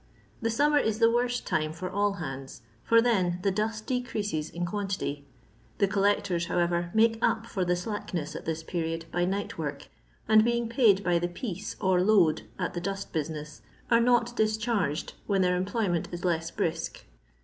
The summer is the worst time for all hands, for then the dust decreases in quantity ; the collecton, however, make up for the "slackness'* at this period by nightwork, and, being paid by the " piece" or load at the dust business, are not dis charged when their employm^^nt is less brisk.